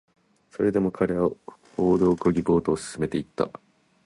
それでも彼はオールを漕ぎ、ボートを進めていった